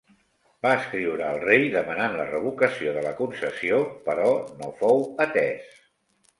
Va escriure al rei demanant la revocació de la concessió, però no fou atès.